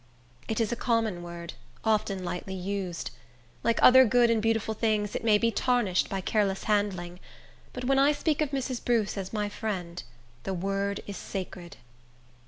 It is a common word, often lightly used. Like other good and beautiful things, it may be tarnished by careless handling; but when I speak of Mrs. Bruce as my friend, the word is sacred.